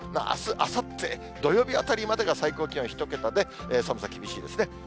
あす、あさって、土曜日あたりまでが最高気温１桁で、寒さ厳しいですね。